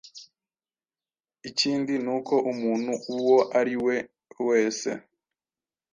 Ikindi ni uko umuntu uwo ariwe wese